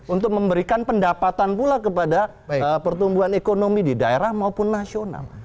untuk memberikan pendapatan pula kepada pertumbuhan ekonomi di daerah maupun nasional